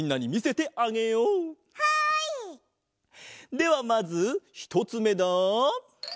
ではまずひとつめだ。